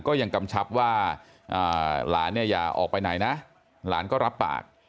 กำชับว่าหลานเนี่ยอย่าออกไปไหนนะหลานก็รับปาก